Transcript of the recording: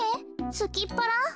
すきっぱら？